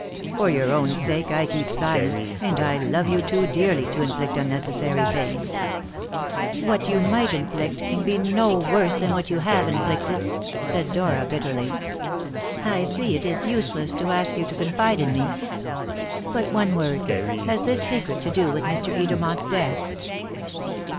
For your own sake I keep silent, and I love you too dearly to inflict unnecessary pain." "What you might inflict can be no worse than what you have inflicted," said Dora bitterly. "I see it is useless to ask you to confide in me. But one word: has this secret to do with Mr. Edermont's death?"